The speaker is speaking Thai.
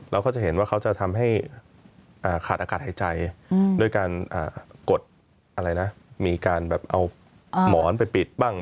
เราก็จะเห็นว่าเขาจะทำให้ขาดอากาศหายใจด้วยการกดอะไรนะมีการแบบเอาหมอนไปปิดบ้าง